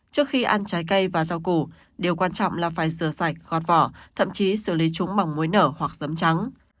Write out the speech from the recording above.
trước khi ăn trái cây và rau củ điều quan trọng là phải rửa sạch gọt vỏ thậm chí xử lý chúng bằng muối nở hoặc dấm trắng